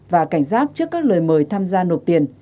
và cảnh giác trước các lời mời tham gia nộp tiền